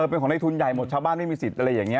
เป็นของในทุนใหญ่หมดชาวบ้านไม่มีสิทธิ์อะไรอย่างนี้